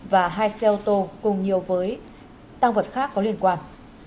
và hai xe ô tô cùng nhiều với tăng vật khác có liên quan